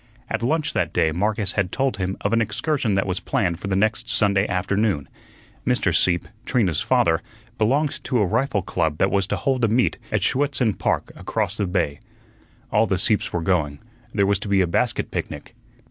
At lunch that day Marcus had told him of an excursion that was planned for the next Sunday afternoon. Mr. Sieppe, Trina's father, belonged to a rifle club that was to hold a meet at Schuetzen Park across the bay. All the Sieppes were going; there was to be a basket picnic.